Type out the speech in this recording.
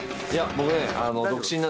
僕ね。